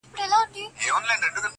o اسي پوهېږي، دوږخ ئې٫